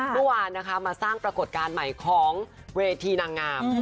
เมื่อวานนะคะมาสร้างปรากฏการณ์ใหม่ของเวทีนางงาม